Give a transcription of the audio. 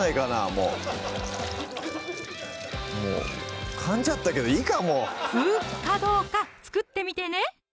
もうもうかんじゃったけどいいかもう「風」かどうか作ってみてね！